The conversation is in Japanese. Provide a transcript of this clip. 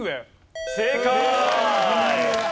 正解！